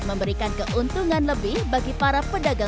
memberikan keuntungan lebih bagi para pedagang